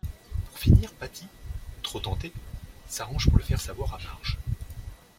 Pour finir Patty, trop tentée, s'arrange pour le faire savoir à Marge.